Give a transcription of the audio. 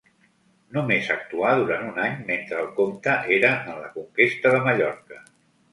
Només actuà durant un any mentre el comte era en la conquesta de Mallorca.